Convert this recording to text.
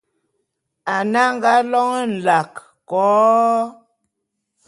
Ane anga lône nlak ko-o-o!